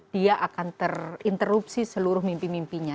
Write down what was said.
dia akan terinterupsi seluruh mimpi mimpinya